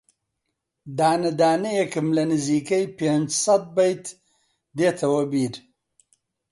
دانە دانەیێکم لە نزیکەی پێنجسەد بەیت دێتەوە بیر